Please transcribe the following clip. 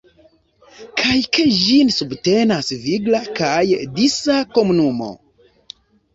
Kaj ke ĝin subtenas vigla kaj disa komunumo.